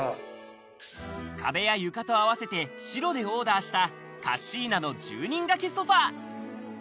壁や床と合わせて、白でオーダーしたカッシーナの１０人掛けソファ。